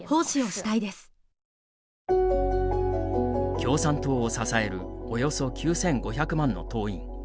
共産党を支えるおよそ９５００万の党員。